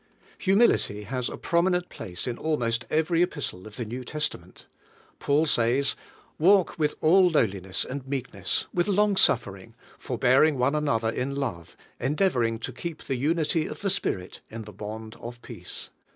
Humility has a prominent place in almost every epistle of the New Testament. Paul says: "Walk Vv'ith all lowliness and meekness, with longsuffer ing, forbearing one another in love; endeavoring to keep the unity of the Spirit in the bond of peace."